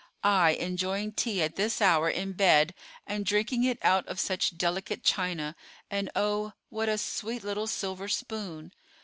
"I enjoying tea at this hour in bed, and drinking it out of such delicate china; and, oh, what a sweet little silver spoon!